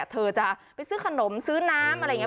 เธอจะไปซื้อขนมซื้อน้ำอะไรอย่างนี้